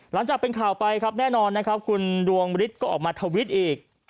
หลังจากเป็นข่าวไปครับแน่นอนนะครับคุณดวงฤทธิ์ก็ออกมาทวิตอีก